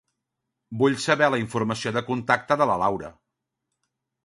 Vull saber la informació de contacte de la Laura.